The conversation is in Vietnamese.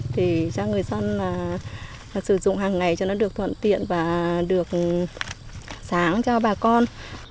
để cho người dân sử dụng hàng ngày cho nó được thuận tiện và được sáng cho bà con